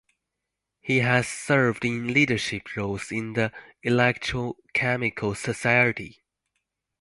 He has served in leadership roles in the Electrochemical Society.